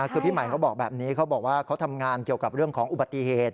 คือพี่ใหม่เขาบอกแบบนี้เขาบอกว่าเขาทำงานเกี่ยวกับเรื่องของอุบัติเหตุ